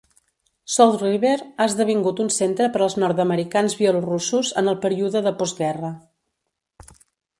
South River ha esdevingut un centre per als nord-americans bielorussos en el període de postguerra.